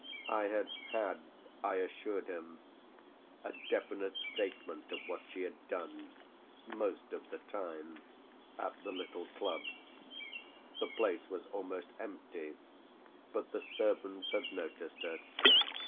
I had had, I assured him, a definite statement of what she had done most of the time at the little club. The place was almost empty, but the servants had noticed her.